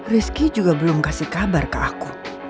rizky juga belum kasih kabar ke aku